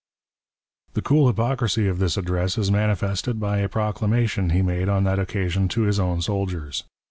The cool hypocrisy of this Address is manifested by a proclamation he made on that occasion to his own soldiers.